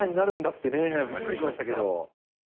ってねビックリしましたけど。